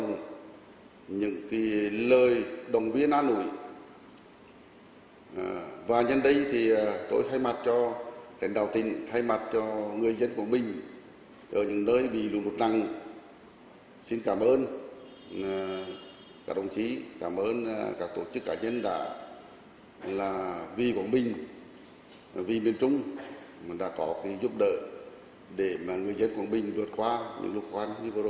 gửi lời cảm ơn đến tập thể cá nhân đã cứu trợ giúp đỡ người dân quảng bình vượt qua khó khăn trong thời gian vừa qua